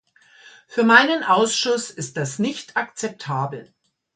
Für meinen Ausschuss ist das nicht akzeptabel.